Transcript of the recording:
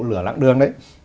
lửa lãng đường đấy